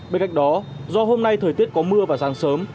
bên cạnh đó do hôm nay thời tiết có mưa và sáng sớm